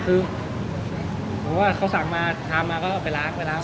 คือเพราะว่าเขาสั่งมาทามมาก็เอาไปล้างไปล้างไปล้าง